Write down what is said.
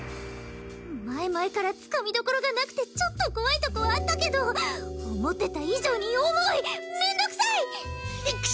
前々からつかみどころがなくてちょっと怖いとこあったけど思ってた以上に重い面倒くさい！